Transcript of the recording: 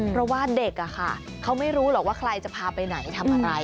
เพราะว่าเด็กเขาไม่รู้หรอกว่าใครจะพาไปไหนทำอะไร